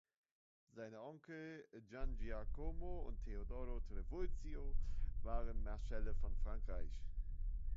Seine Onkel Giangiacomo und Teodoro Trivulzio waren Marschälle von Frankreich.